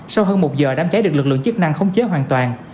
sau hơn một giờ đám cháy được lực lượng chức năng khống chế hoàn toàn